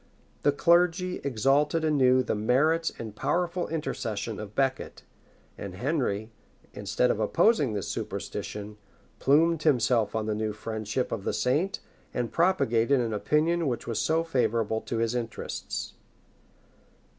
The clergy exalted anew the merits and powerful intercession of Becket; and Henry, instead of opposing this superstition, plumed himself on the new friendship of the saint, and propagated an opinion which was so favorable to his interests.